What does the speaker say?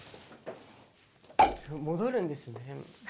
戻るんですね。